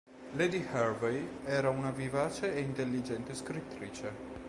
Lady Hervey era un vivace e intelligente scrittrice.